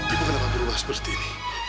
ibu kenapa berubah seperti ini